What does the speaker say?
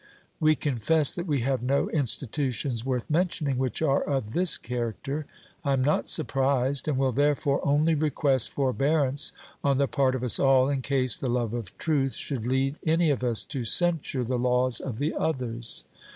'We confess that we have no institutions worth mentioning which are of this character.' I am not surprised, and will therefore only request forbearance on the part of us all, in case the love of truth should lead any of us to censure the laws of the others.